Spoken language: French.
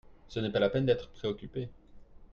Ce n'est pas la peine d'être préocuppé.